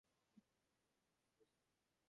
মীরা বললেন, একটু আগে এসে পড়েছি।